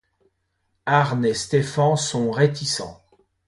Arne et Stefan sont réticents.